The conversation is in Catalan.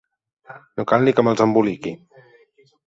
No cal ni que me'ls emboliqui.